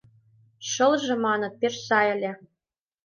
Шылже, маныт, пеш сай ыле...